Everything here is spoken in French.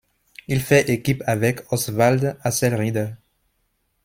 Il fait équipe avec Oswald Haselrieder.